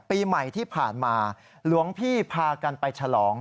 ปีใหม่ที่ผ่านมาหลวงพี่พากันไปฉลอง